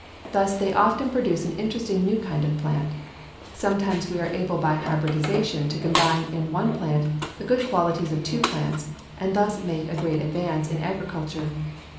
Thus they often produce an interesting new kind of plant. Sometimes we are able by hybridization to combine in one plant the good qualities of two other plants and thus make a great advance in agriculture.